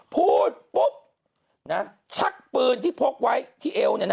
พูดปุ๊บชักปืนที่พกไว้ที่เอว